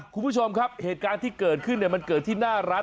คุณผู้ชมครับเหตุการณ์ที่เกิดขึ้นมันเกิดที่หน้าร้าน